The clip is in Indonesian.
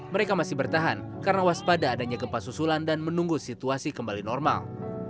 mereka masih bertahan karena waspada adanya gempa susulan dan menunggu situasi kembali normal